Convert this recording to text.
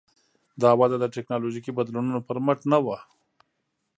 دا وده د ټکنالوژیکي بدلونونو پر مټ نه وه.